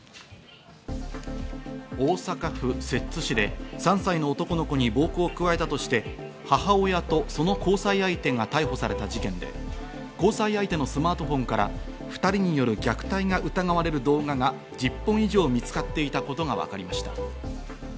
大阪府摂津市で３歳の男の子に暴行を加えたとして、母親とその交際相手が逮捕された事件で、交際相手のスマートフォンから２人による虐待が疑われる動画が１０本以上見つかっていたことがわかりました。